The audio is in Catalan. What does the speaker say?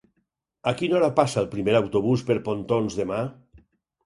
A quina hora passa el primer autobús per Pontons demà?